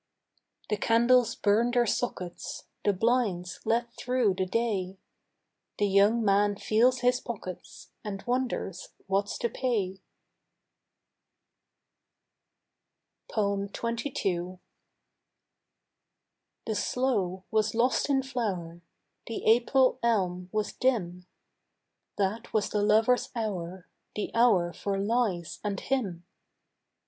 The candles burn their sockets, The blinds let through the day, The young man feels his pockets And wonders what's to pay. XXII. The sloe was lost in flower, The April elm was dim; That was the lover's hour, The hour for lies and him.